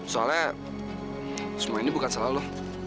soalnya semua ini bukan salah lo